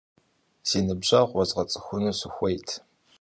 Si nıbjeğur vuezğets'ıxunu sıxuêyt.